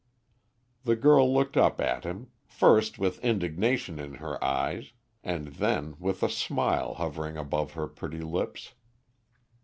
The girl looked up at him, first with indignation in her eyes, and then with a smile hovering about her pretty lips.